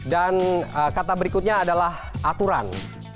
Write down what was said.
dan kata berikutnya adalah aturan